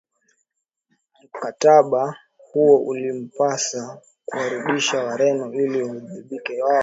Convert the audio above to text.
Mkataba huo ulimpasa kuwarudisha Wareno ili waadhibiwe kwao